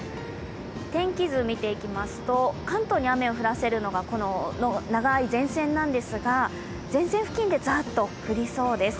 天気図、見ていきますと、関東に雨を降らせるのがこの長い前線なんですが前線付近でザッと降りそうです。